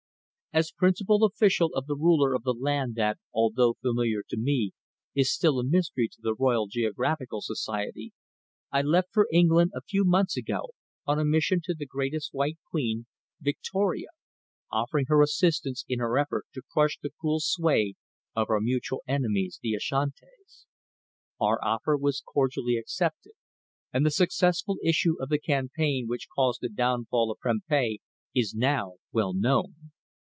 As principal official of the ruler of the land that, although familiar to me, is still a mystery to the Royal Geographical Society, I left for England a few months ago on a mission to the greatest White Queen, Victoria, offering her assistance in her effort to crush the cruel sway of our mutual enemies the Ashantis. Our offer was cordially accepted, and the successful issue of the campaign which caused the downfall of Prempeh is now well known.